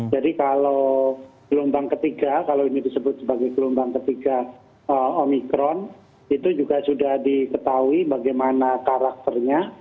jadi kalau gelombang ketiga kalau ini disebut sebagai gelombang ketiga omikron itu juga sudah diketahui bagaimana karakternya